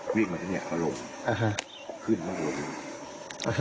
ตรงนี้ครับ